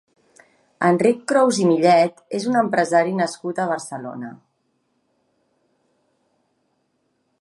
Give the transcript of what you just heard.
Enric Crous i Millet és un empresari nascut a Barcelona.